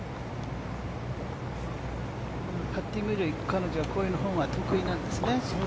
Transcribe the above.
パッティングより彼女はこういう方が得意なんですね、